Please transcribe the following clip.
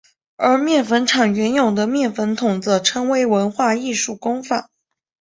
而面粉厂原有的面粉筒则成为文化艺术工坊。